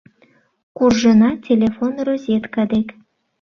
— Куржына телефон розетка дек.